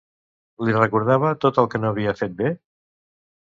Li recordava tot el que no havia fet bé?